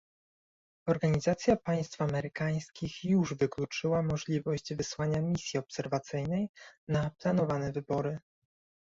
Organizacja Państw Amerykańskich już wykluczyła możliwość wysłania misji obserwacyjnej na planowane wybory